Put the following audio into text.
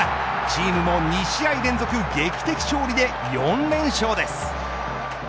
チームも２試合連続劇的勝利で４連勝です。